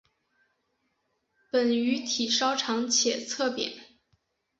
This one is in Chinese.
本鱼体稍长且侧扁。